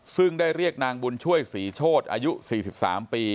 ซึ่งได้เรียกนางบุญช่วยศรีโชธอายุ๔๓ปี